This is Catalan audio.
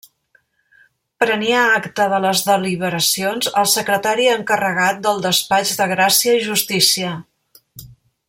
Prenia acta de les deliberacions, el secretari encarregat del Despatx de Gràcia i Justícia.